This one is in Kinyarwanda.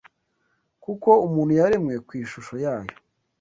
kuko umuntu yaremwe ku ishusho yayo